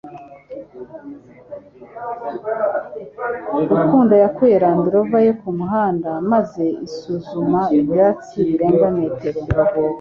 Rukundo yakuye Land Rover ye kumuhanda maze isuzuma ibyatsi birenga metero